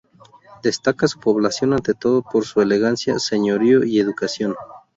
Destaca su población ante todo por su elegancia, señorío y educación.